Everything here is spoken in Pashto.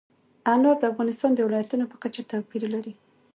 انار د افغانستان د ولایاتو په کچه توپیر لري.